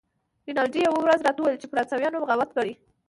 رینالډي یوه ورځ راته وویل چې فرانسویانو بغاوت کړی.